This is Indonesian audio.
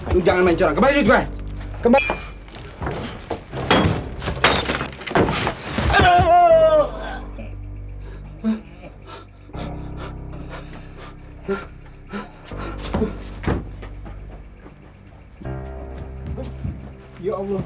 lu jangan main curang kembali dulu kembali